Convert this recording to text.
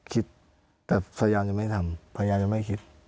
คิดแต่พยายามจะไม่ทำพยายามจะไม่คิด